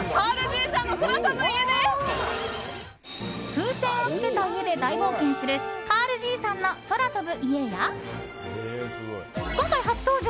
風船をつけた家で大冒険する「カールじいさんの空飛ぶ家」や今回初登場！